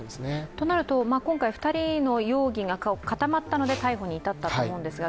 となると今回２人の容疑が固まったので逮捕に至ったと思うんですが、